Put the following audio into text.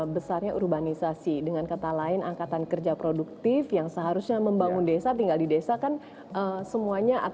besarnya urbanisasi dengan kata lain angkatan kerja produktif yang seharusnya membangun desa tinggal di desa kan semuanya